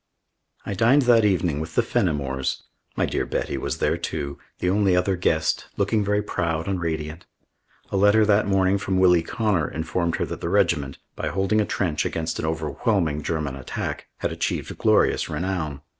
I dined that evening with the Fenimores. My dear Betty was there too, the only other guest, looking very proud and radiant. A letter that morning from Willie Connor informed her that the regiment, by holding a trench against an overwhelming German attack, had achieved glorious renown.